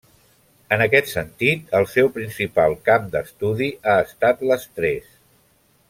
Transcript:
En aquest sentit, el seu principal camp d'estudi ha estat l'estrès.